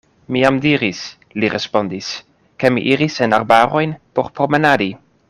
Mi jam diris, li respondis, ke mi iris en arbarojn por promenadi.